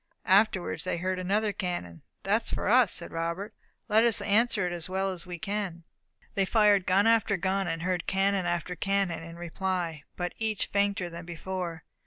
Afterwards they heard another cannon. "That is for us," Robert said; "let us answer it as well as we can." They fired gun after gun, and heard cannon after cannon in reply, but each fainter than before.